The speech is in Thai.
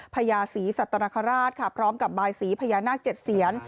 พญาศรีสัตนคราชค่ะพร้อมกับบายสีพญานาค๗เสียน